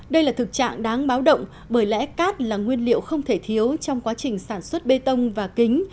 đây là thực trạng đáng báo động bởi lẽ cát là nguyên liệu không thể thiếu trong quá trình sản xuất bê tông và kính